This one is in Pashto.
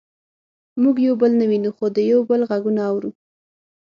موږ یو بل نه وینو خو د یو بل غږونه اورو